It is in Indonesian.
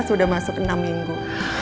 sudah masuk enam minggu